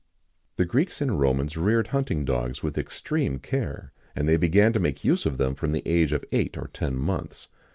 The Greeks and Romans reared hunting dogs with extreme care, and they began to make use of them from the age of eight or ten months.